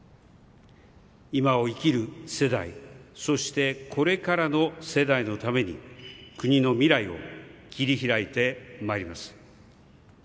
今を生きる世代そして、これからの世代のために国の未来を切り拓いてまいります。